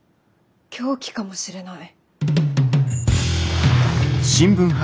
凶器かもしれない。